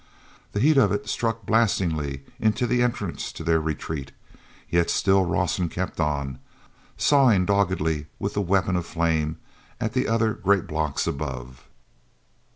The heat of it struck blastingly into the entrance to their retreat, yet still Rawson kept on, sawing doggedly with the weapon of flame at other great blocks above.